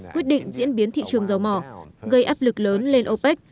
quyết định diễn biến thị trường dầu mỏ gây áp lực lớn lên opec